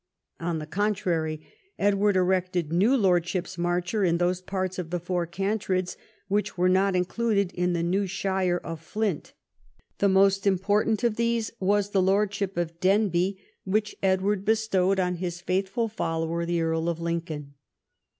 On the contrary, Edward erected new Lordships Marcher in those parts of the Four Cantreds which were not included in the new shire of Flint. The most important of these was the lordship of Denbigh, which Edward bestowed on his faithful follower the Earl of Lincoln.